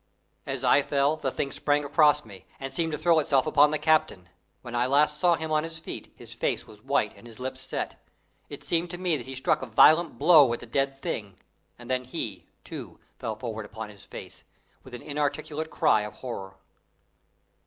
As I fell the thing sprang across me, and seemed to throw itself upon the captain. When I last saw him on his feet his face was white and his lips set. It seemed to me that he struck a violent blow at the dead being, and then he, too, fell forward upon his face, with an inarticulate cry of horror.